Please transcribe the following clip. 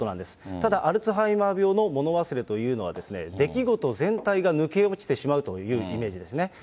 ただ、アルツハイマー病の物忘れというのはですね、出来事全体が抜け落ちてしまうというイメージですね。